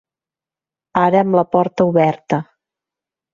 Ara amb la porta oberta.